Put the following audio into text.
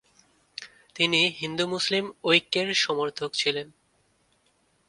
তিনি হিন্দু মুসলিম ঐক্যের সমর্থক ছিলেন।